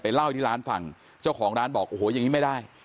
เล่าที่ร้านฟังเจ้าของร้านบอกโอ้โหอย่างนี้ไม่ได้